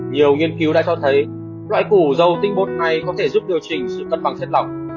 nhiều nghiên cứu đã cho thấy loại củ dâu tinh bột này có thể giúp điều chỉnh sự cất bằng chất lòng